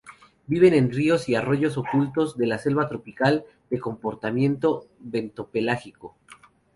Viven en ríos y arroyos ocultos de la selva tropical, de comportamiento bentopelágico.